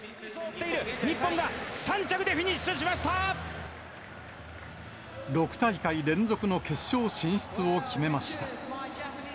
日本が３着でフィニッシュし６大会連続の決勝進出を決めました。